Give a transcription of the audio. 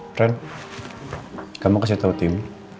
bren kamu kasih tau tim